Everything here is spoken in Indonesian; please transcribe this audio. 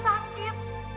eh dia masih sakit